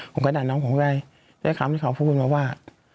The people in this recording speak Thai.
ผมก็ด่าน้องผมได้ด้วยความที่เขาพูดมาว่า